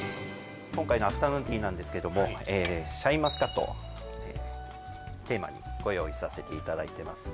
今回のアフタヌーンティーなんですけどもシャインマスカットをテーマにご用意させていただいてます